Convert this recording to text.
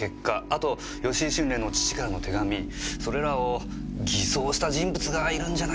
あと吉井春麗の父からの手紙それらを偽装した人物がいるんじゃないかって。